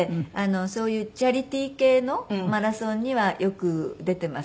そういうチャリティー系のマラソンにはよく出てます。